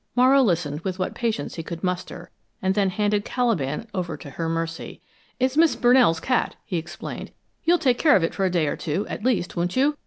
Morrow listened with what patience he could muster, and then handed Caliban over to her mercy. "It's Miss Brunell's cat," he explained. "You'll take care of it for a day or two, at least, won't you?